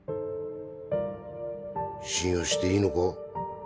信用していいのか？